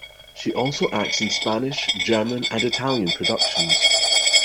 She also acts in Spanish, German, and Italian productions.